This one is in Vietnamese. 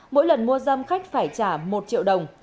mỗi lần mua dâm khách phải trả một triệu đồng